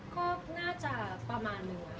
ก็น่าจะประมาณนึง